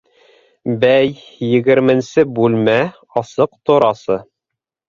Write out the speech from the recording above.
Бәй... егерменсе бүлмә... асыҡ торасы?!